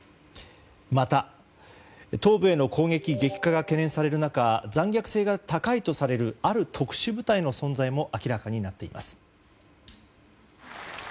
また、東部への攻撃激化が懸念される中残虐性が高いとされるある特殊部隊の存在も明らかになっています。